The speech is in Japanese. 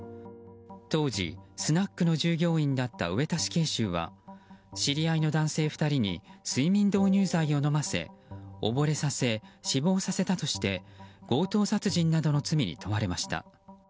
当時、スナックの従業員だった上田死刑囚は知り合いの男性２人に睡眠導入剤を飲ませおぼれさせ、死亡させたとして強盗殺人などの罪に問われました。